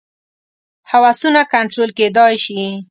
هوسونه کنټرول کېدای شي.